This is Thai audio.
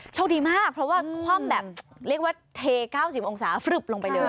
โชคดีมากเพราะว่าคว่ำแบบเรียกว่าเท๙๐องศาฟลึบลงไปเลย